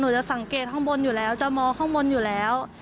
จะสังเกตข้างบนอยู่แล้วจะมองข้างบนอยู่แล้ว